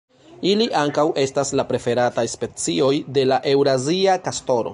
Ili ankaŭ estas la preferataj specioj de la eŭrazia kastoro.